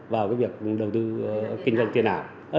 vào cái việc đầu tư kinh doanh tiền ảo